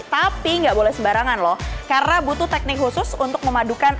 tapi nggak boleh sembarangan loh karena butuh teknik khusus untuk memadukan